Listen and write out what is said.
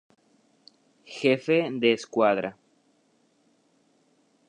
Jefe de escuadra.